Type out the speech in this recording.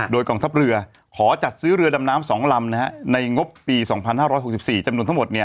โดยกองทัพเรือขอจัดซื้อเรือดำน้ำ๒ลำในงบปี๒๕๖๔จำนวนทั้งหมด